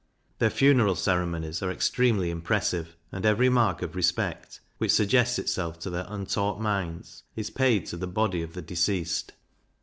Their funeral ceremonies are extremely impressive, and every mark of respect, which suggests itself to their untaught minds, is paid to the body of the deceased.